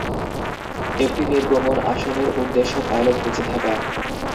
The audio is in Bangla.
একটি নির্গমন আসনের উদ্দেশ্য পাইলট বেঁচে থাকা.